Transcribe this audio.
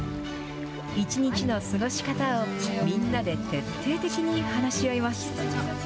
一日の過ごし方をみんなで徹底的に話し合います。